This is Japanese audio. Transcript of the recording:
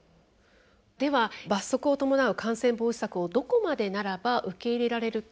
では、罰則を伴う感染防止策をどこまでならば受け入れられるか。